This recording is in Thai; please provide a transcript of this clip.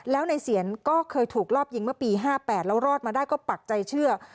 แล้วในเสียนก็เคยถูกรอบยิงเมื่อปี๕๘แล้วรอดมาได้ก็ปักใจเชื่อ